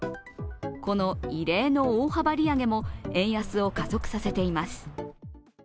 この異例の大幅利上げも円安を加速させています。